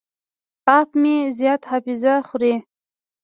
اپ مې زیاته حافظه خوري.